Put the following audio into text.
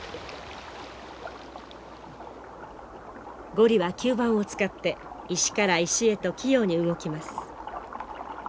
ゴリは吸盤を使って石から石へと器用に動きます。